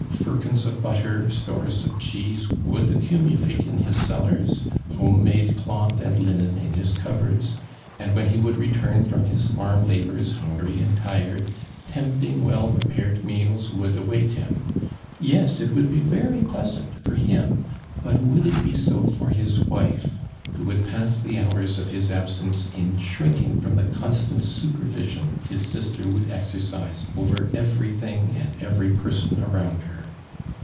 Firkins of l)utln', storM of olifioso vould accuiniiliitn in hi't cellarH ; )lom(^ jnado c'.oth and linen in his ouphoards, and when ho would retimi iVoni his farm Inborn, hungry and tirod, tempting, well prenare<l luoals would await liini. Yea, it would ho very plousant for him, hut would it he so for yiis wife, who would pass the hours of his ah Hence in shrinking from the constant miper vision his sister would oxorri'^f over every thuig and every i)ei"son arouu'l her?